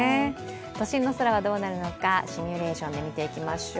都心の空はどうなるのか、シミュレーションで見ていきましょう。